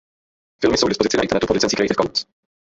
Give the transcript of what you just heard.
Filmy jsou k dispozici na internetu pod licencí Creative Commons.